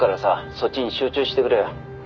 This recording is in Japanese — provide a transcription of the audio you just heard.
そっちに集中してくれ」